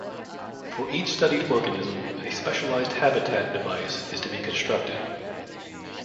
For each studied organism, a specialized habitat device is to be constructed.